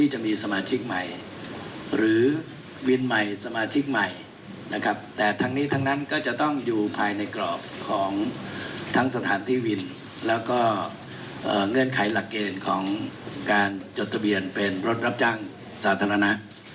ให้ไขหลักเกณฑ์ของการจดทะเบียนเป็นรถรับจ้างสาธารณะ